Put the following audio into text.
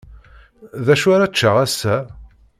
D acu ara ččeɣ ass-a?